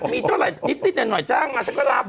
มีตัวหลายนิดหน่อยจ้างมาฉันก็รับ